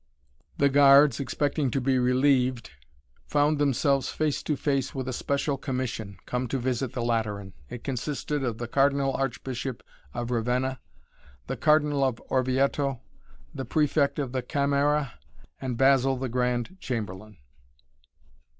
The guards, expecting to be relieved, found themselves face to face with a special commission, come to visit the Lateran. It consisted of the Cardinal Archbishop of Ravenna, the Cardinal of Orvieto, the Prefect of the Camera and Basil the Grand Chamberlain.